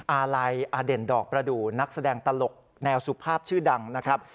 อาลัยอเด่นดอกประดูกนักแสดงตลกแนวสุภาพชื่อดังนะครับ